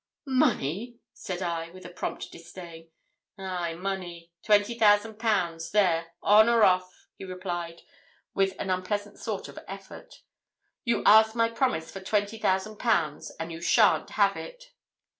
'Money?' said I, with a prompt disdain. 'Ay, money twenty thousand pounds there. On or off?' he replied, with an unpleasant sort of effort. 'You ask my promise for twenty thousand pounds, and you shan't have it.'